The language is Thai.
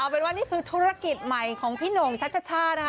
เป็นว่านี่คือธุรกิจใหม่ของพี่หน่งชัชชานะคะ